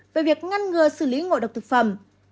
về việc ngăn ngừa xử lý ngộ độc thực phẩm